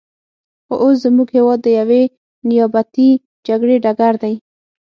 خو اوس زموږ هېواد د یوې نیابتي جګړې ډګر دی.